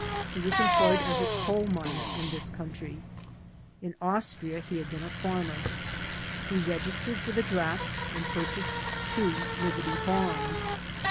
He was employed as a coal miner in this country. In Austria he had been a farmer. He registered for the draft and purchased two Liberty Bonds.